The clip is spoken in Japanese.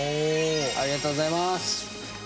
ありがとうございます。